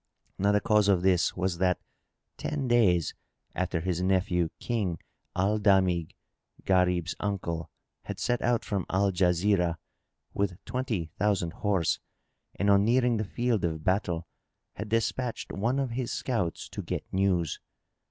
Now the cause of this was that, ten days after his nephew King Al Damigh, Gharib's uncle, had set out from Al Jazirah, with twenty thousand horse, and on nearing the field of battle, had despatched one of his scouts to get news.